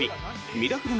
「ミラクル９」